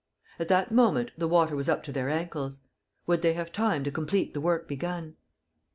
At that moment, the water was up to their ankles. Would they have time to complete the work begun?